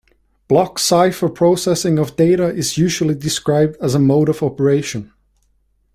Block cipher processing of data is usually described as a mode of operation.